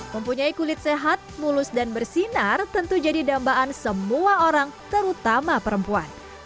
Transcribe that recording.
mempunyai kulit sehat mulus dan bersinar tentu jadi dambaan semua orang terutama perempuan